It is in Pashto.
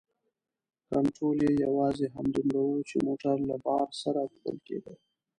کنترول یې یوازې همدومره و چې موټر له بار سره تلل کیده.